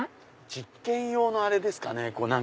実験用のあれですかね。